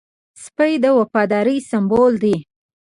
سپي د وفادارۍ سمبول دی.